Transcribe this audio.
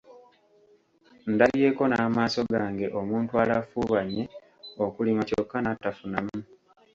Ndabyeko n'amaaso gange omuntu alafuubanye okulima kyokka n'atafunamu.